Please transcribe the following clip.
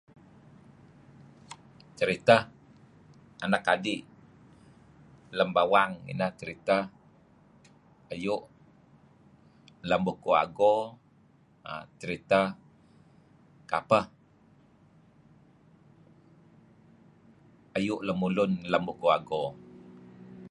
Ceritah anak adi' lem bawang inan seritah kayu' lam Bukuh Ago seritah kapeh ayu' lemulun lam Bukuh Ago.